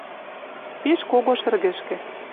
Пиш кого шӹргӹшкӹ